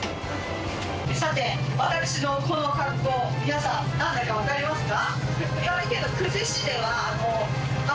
さて私のこの格好皆さんなんだかわかりますか？